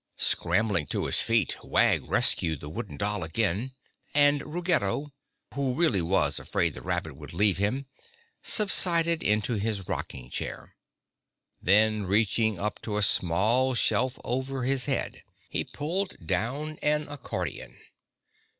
Scrambling to his feet, Wag rescued the wooden doll again, and Ruggedo, who really was afraid the rabbit would leave him, subsided into his rocking chair. Then reaching up to a small shelf over his head, he pulled down an accordion.